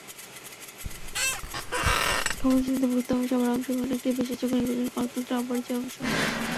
ক্ষমতাসীনদের বুঝতে হবে, সবার অংশগ্রহণে একটি বিশ্বাসযোগ্য নির্বাচন গণতন্ত্রের অপরিহার্য অংশ।